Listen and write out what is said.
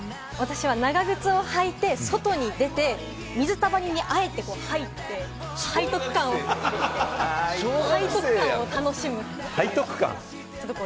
私は長靴を履いて外に出て、水たまりにあえて入って、背徳感を楽しむ。